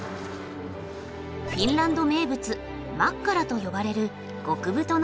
フィンランド名物マッカラと呼ばれる極太のソーセージ。